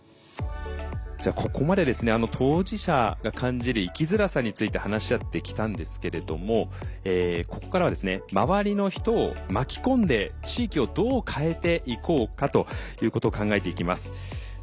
じゃあここまでですね当事者が感じる生きづらさについて話し合ってきたんですけれどもここからは周りの人を巻き込んで地域をどう変えていこうかということを考えていきます。